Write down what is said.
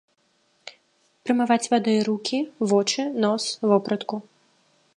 Прамываць вадой рукі, вочы, нос, вопратку.